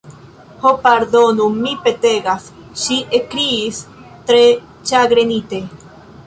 "Ho, pardonu, mi petegas," ŝi ekkriis tre ĉagrenite.